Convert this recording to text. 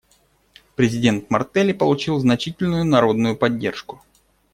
Президент Мартелли получил значительную народную поддержку.